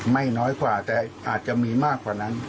ไม่น้อยกว่าแต่อาจจะมีมากกว่านั้น